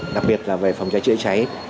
đặc biệt là về phòng cháy chữa cháy